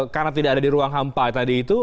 karena tidak ada di ruang hampa tadi itu